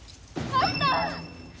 あった！